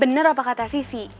bener apa kata vivi